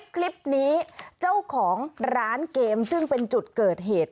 คลิปนี้เจ้าของร้านเกมซึ่งเป็นจุดเกิดเหตุ